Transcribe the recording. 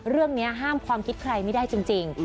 เรื่องนี้ห้ามความคิดใครไม่ได้จริง